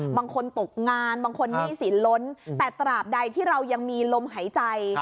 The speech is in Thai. บางคนตกงานบางคนหนี้สินล้นแต่ตราบใดที่เรายังมีลมหายใจ